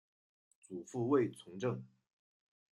祖父卫从政。